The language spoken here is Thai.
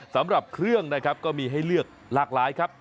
สำหรับเครื่องนะครับก็มีให้เลือกหลากหลายครับ